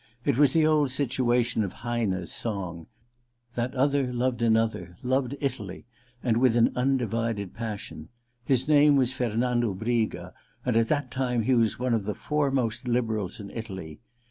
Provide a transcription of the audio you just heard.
It was the old situation of Heine's song. That other loved another — loved Italy, and with an undivided passion. His name was Fernando Briga, and at that time he was one of the foremost liberals in Italy.